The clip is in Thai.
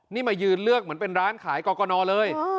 นี่มายืนเลือกเหมือนเป็นร้านขายกรกนเลย